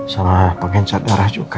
sama pengen cat darah juga